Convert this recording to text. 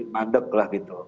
mandek lah gitu